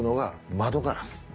窓ガラス？